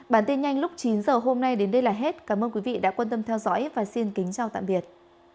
bản tin nhanh lúc chín h hôm nay đến đây là hết cảm ơn quý vị đã quan tâm theo dõi và xin kính chào tạm biệt